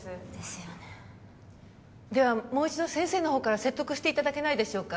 もう一度先生の方から説得していただけないでしょうか